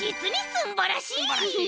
すんばらしい。